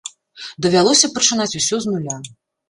Давялося пачынаць усё з нуля.